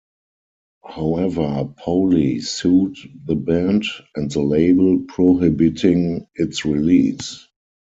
However, Poley sued the band and the label prohibiting its release.